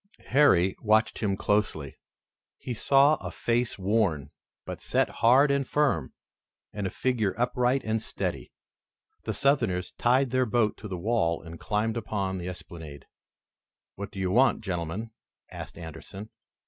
Harry watched him closely. He saw a face worn, but set hard and firm, and a figure upright and steady. The Southerners tied their boat to the wall and climbed upon the esplanade. "What do you want, gentlemen?" asked Anderson.